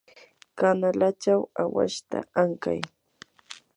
kanalachaw awashta ankay.